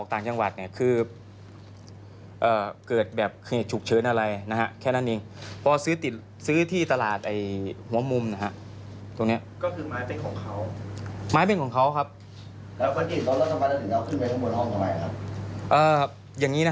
ความสัมภัย